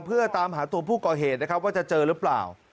เพื่อตามหาตัวผู้ก่อเหตุนะครับว่าจะเจอหรือเปล่า